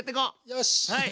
よし！